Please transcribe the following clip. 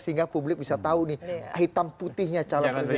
sehingga publik bisa tahu nih hitam putihnya calon presiden